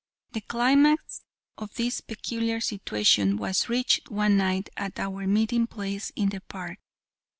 The climax of this peculiar situation was reached one night at our meeting place in the park.